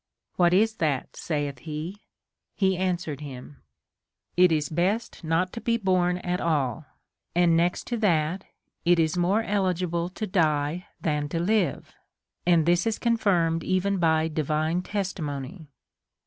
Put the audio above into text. AVhat is that, saith he ] He answered him : It is best not to be born at all ; and next to that, it is more eligible to die than to live ; and this is confirmed even by divine testi mony.